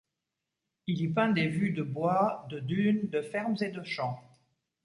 Il y peint des vues de bois, de dunes, de fermes et de champs.